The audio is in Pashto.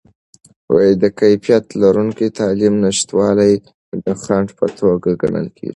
د کیفیت لرونکې تعلیم نشتوالی د خنډ په توګه ګڼل کیږي.